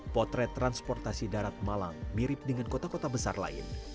potret transportasi darat malang mirip dengan kota kota besar lain